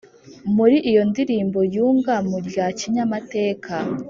muri iyo ndirimbo yunga mu rya kinyamateka